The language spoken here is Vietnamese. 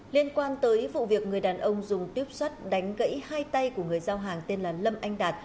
liên quan tới vụ việc người đàn ông dùng tuyếp sắt đánh gãy hai tay của người giao hàng tên là lâm anh đạt